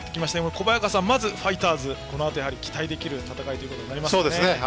小早川さん、まずファイターズこのあと期待できる戦いでしたね。